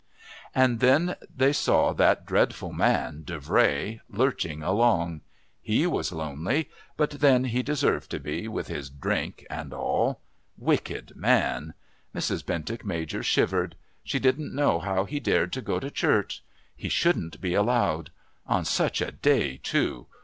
And then they saw that dreadful man, Davray, lurching along. He was lonely, but then he deserved to be, with his drink and all. Wicked man! Mrs. Bentinck Major shivered. She didn't know how he dared to go to church. He shouldn't be allowed. On such a day, too.